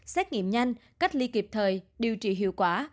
xét nghiệm nhanh cách ly kịp thời điều trị hiệu quả